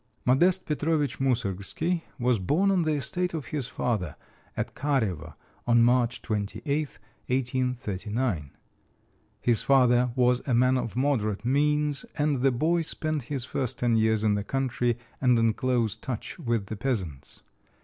Modeste Petrovich Moussorgsky was born on the estate of his father at Karevo on March 28, 1839. His father was a man of moderate means, and the boy spent his first ten years in the country and in close touch with the peasants.